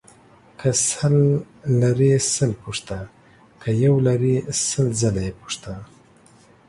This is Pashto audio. که سل لرې سل پوښته ، که يو لرې سل ځله يې پوښته.